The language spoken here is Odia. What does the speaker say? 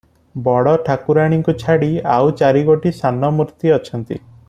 ବଡ଼ ଠାକୁରାଣୀଙ୍କୁ ଛାଡ଼ି ଆଉ ଚାରିଗୋଟି ସାନ ମୂର୍ତ୍ତି ଅଛନ୍ତି ।